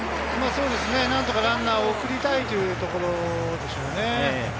何とかランナーを送りたいというところでしょう。